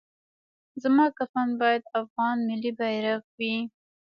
زما کفن باید افغان ملي بیرغ وي